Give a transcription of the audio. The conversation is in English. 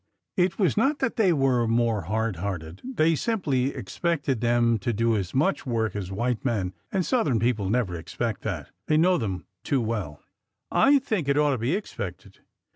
It was not that they were more hard hearted. They sim ply expected them to do as much work as white men, and Southern people never expect that. They know them too well." " I think it ought to be expected.